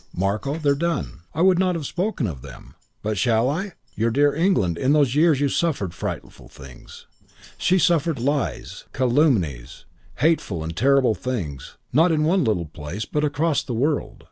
"Marko, they're done. I would not have spoken of them. But shall I.... Your dear England in those years suffered frightful things. She suffered lies, calumnies, hateful and terrible things not in one little place but across the world.